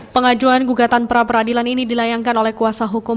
pengajuan gugatan pra peradilan ini dilayangkan oleh kuasa hukum